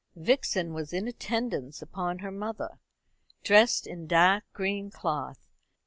Vixen was in attendance upon her mother, dressed in dark green cloth.